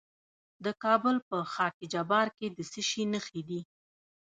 د کابل په خاک جبار کې د څه شي نښې دي؟